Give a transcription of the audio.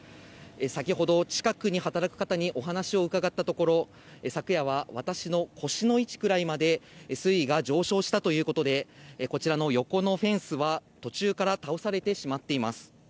先ほど、近くに働く方にお話を伺ったところ、昨夜は私の腰の位置くらいまで水位が上昇したということで、こちらの横のフェンスは、途中から倒されてしまっています。